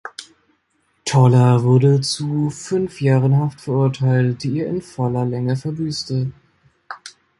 Toller wurde zu fünf Jahren Haft verurteilt, die er in voller Länge verbüßte.